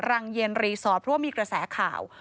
รังเย็นรีสอร์ทเพราะว่ามีกระแสข่าว